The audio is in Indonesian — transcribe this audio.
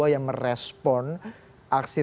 yang merespon aksi